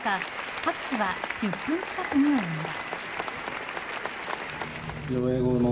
拍手は１０分近くに及んだ。